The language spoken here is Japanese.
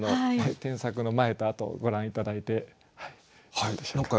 添削の前と後ご覧頂いてどうでしょうか？